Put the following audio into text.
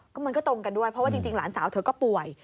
ก็มันก็ตรงกันด้วยเพราะว่าจริงหลานสาวเธอก็ป่วย